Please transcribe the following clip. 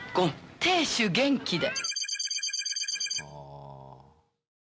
亭主元気で。